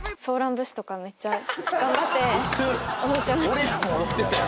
俺らも踊ってたよ